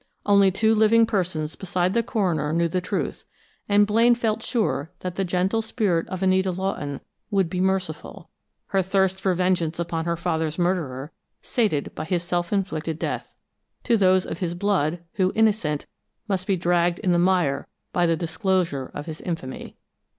Only two living persons beside the coroner knew the truth, and Blaine felt sure that the gentle spirit of Anita Lawton would be merciful her thirst for vengeance upon her father's murderer sated by his self inflicted death to those of his blood, who, innocent, must be dragged in the mire by the disclosure of his infamy.